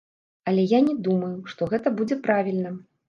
Але я не думаю, што гэта будзе правільна.